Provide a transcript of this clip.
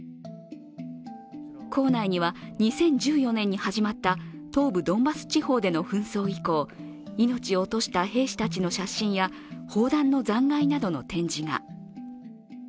構内には２０１４年に始まった東部ドンバス地方での紛争以降、命を落とした兵士たちの写真や砲弾の残骸などの展示が。